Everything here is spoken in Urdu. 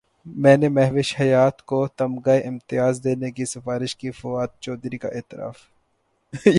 میں نے مہوش حیات کو تمغہ امتیاز دینے کی سفارش کی فواد چوہدری کا اعتراف